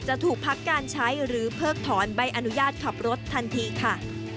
จะถูกพักการใช้หรือเพิกถอนใบอนุญาตขับรถทันทีค่ะ